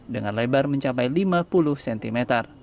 dengan lebar mencapai lima puluh cm